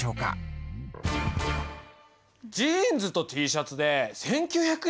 ジーンズとＴシャツで１９００円？